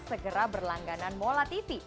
segera berlangganan mola tv